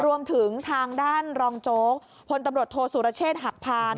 รวมถึงทางด้านรองโจ๊กพลตำรวจโทษสุรเชษฐ์หักพาน